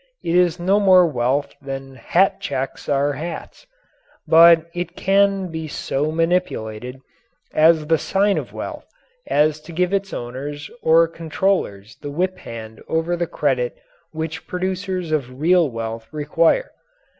It is no more wealth than hat checks are hats. But it can be so manipulated, as the sign of wealth, as to give its owners or controllers the whip hand over the credit which producers of real wealth require.